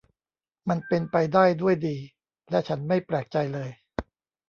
มันเป็นไปได้ด้วยดี และฉันไม่แปลกใจเลย